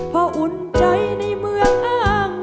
เพราะอุ่นใจในเมือง